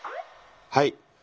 はい。